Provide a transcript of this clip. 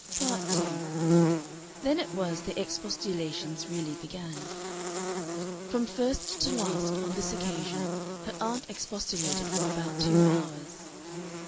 Part 2 Then it was the expostulations really began. From first to last, on this occasion, her aunt expostulated for about two hours.